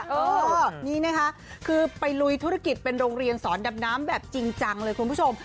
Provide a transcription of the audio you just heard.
เออนี่นะคะคือไปลุยธุรกิจเป็นโรงเรียนสอนดำน้ำแบบจริงจังเลยคุณผู้ชม